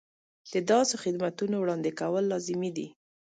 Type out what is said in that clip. د داسې خدمتونو وړاندې کول لازمي دي.